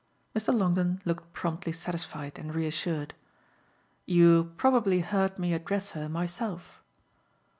Mr. Longdon looked promptly satisfied and reassured. "You probably heard me address her myself."